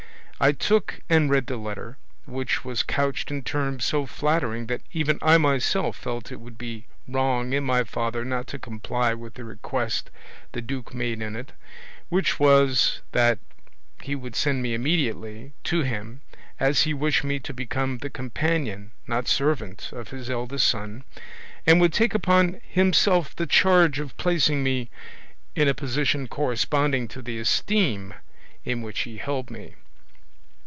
I took and read the letter, which was couched in terms so flattering that even I myself felt it would be wrong in my father not to comply with the request the duke made in it, which was that he would send me immediately to him, as he wished me to become the companion, not servant, of his eldest son, and would take upon himself the charge of placing me in a position corresponding to the esteem in which he held me.